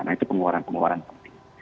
nah itu pengeluaran pengeluaran penting